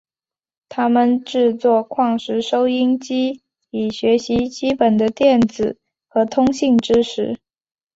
他们制作矿石收音机以学习基本的电子和通信知识。